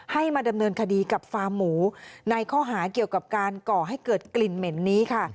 มาดำเนินคดีกับฟาร์มหมูในข้อหาเกี่ยวกับการก่อให้เกิดกลิ่นเหม็นนี้ค่ะ